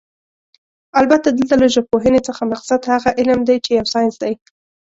البته دلته له ژبپوهنې څخه مقصد هغه علم دی چې يو ساينس دی